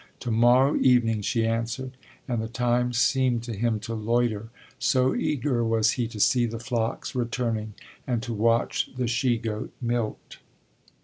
To morrow evening, she answered, and the time seemed to him to loiter, so eager was he to see the flocks returning and to watch the she goat milked.